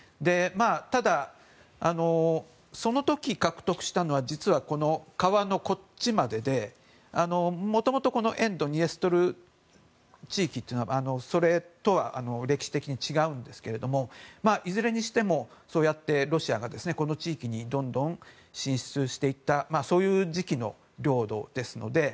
ただその時、獲得したのは実は、川のこっちまででもともと沿ドニエストル地域は歴史的に違うんですけどいずれにしても、そうやってロシアがこの地域にどんどん進出していったそういう時期の領土ですので。